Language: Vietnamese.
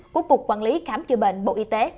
của cục quản lý khám chữa bệnh bộ y tế